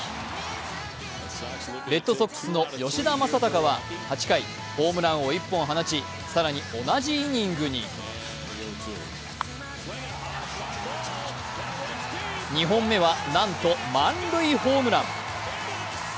レッドソックスの吉田正尚は８回、ホームランを１本放ち、更に同じイニングに２本目はなんと満塁ホームラン。